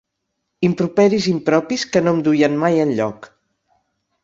Improperis impropis que no em duien mai enlloc.